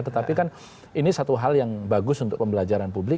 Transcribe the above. tetapi kan ini satu hal yang bagus untuk pembelajaran publik